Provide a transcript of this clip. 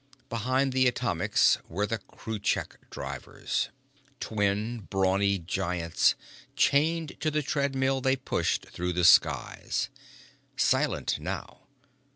Behind the atomics were the Kruchek drivers, twin brawny giants chained to the treadmill they pushed through the skies. Silent now.